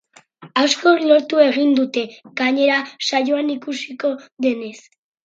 Askok lortu egin dute, gainera, saioan ikusiko denez.